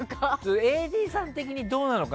ＡＤさん的にどうなのかな。